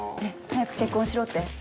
早く結婚しろって？